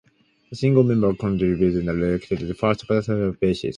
The single member constituencies are elected on a first-past-the-post basis.